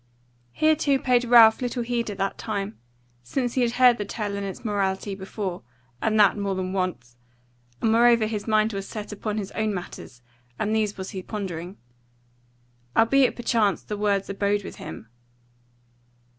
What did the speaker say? Hereto paid Ralph little heed at that time, since he had heard the tale and its morality before, and that more than once; and moreover his mind was set upon his own matters and these was he pondering. Albeit perchance the words abode with him.